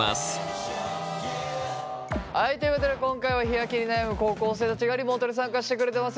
はいということで今回は日焼けに悩む高校生たちがリモートに参加してくれてます。